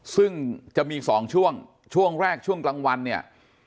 ซึ่งจะมี๒ช่วงช่วงแรกช่วงกลางวันเนี่ย